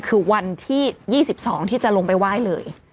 คือวันที่๒๒ที่จะลงไปไหว้เลย